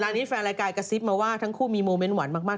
นี้แฟนรายการกระซิบมาว่าทั้งคู่มีโมเมนต์หวานมาก